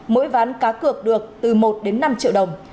mỗi ván cá cược được từ một đến năm triệu đồng